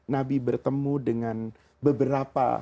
nabi bertemu dengan beberapa